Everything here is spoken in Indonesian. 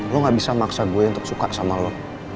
lo gak bisa maksa gue untuk suka sama lo